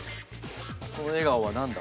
この笑顔は何だ？